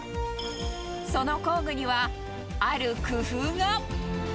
その工具には、ある工夫が。